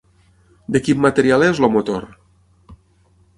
De quin material és el motor?